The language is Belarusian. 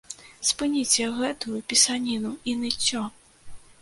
Спыніце гэтую пісаніну і ныццё!